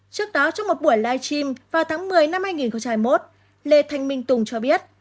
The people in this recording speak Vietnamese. trước đó trong một buổi live stream vào tháng một mươi năm hai nghìn hai mươi một lê thanh minh tùng cho biết